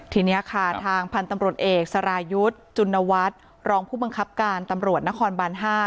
ทีนี้ค่ะทางพันธุ์ตำรวจเอกสรายุทธ์จุณวัฒน์รองผู้บังคับการตำรวจนครบาน๕